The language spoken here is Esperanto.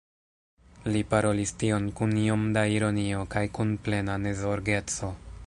Li parolis tion kun iom da ironio kaj kun plena nezorgeco.